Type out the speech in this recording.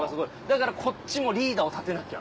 だからこっちもリーダーを立てなきゃ。